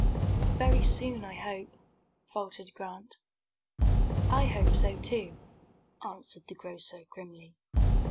"Very soon, I hope," faltered Grant. "I hope so, too," answered the grocer, grimly.